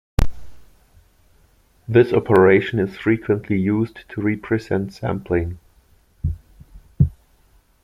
This operation is frequently used to represent sampling.